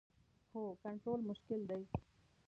هو، کنټرول مشکل دی